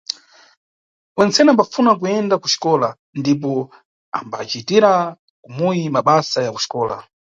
Wentsene wambafuna kuyenda kuxikola ndipo ambacitira kumuyi mabasa ya kuxikola.